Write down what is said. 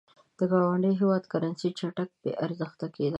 د ګاونډي هېواد کرنسي چټک بې ارزښته کېده.